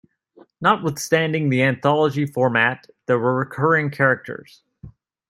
Notwithstanding the anthology format, there were recurring characters.